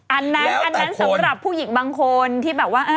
อันนั้นอันนั้นสำหรับผู้หญิงบางคนที่แบบว่า